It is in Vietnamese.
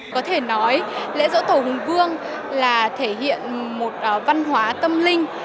có thể nói lễ dỗ tổ hùng vương là thể hiện một văn hóa tâm linh